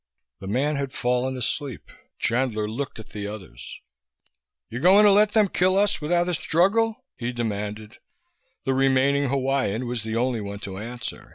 The man had fallen asleep. Chandler looked at the others. "You going to let them kill us without a struggle?" he demanded. The remaining Hawaiian was the only one to answer.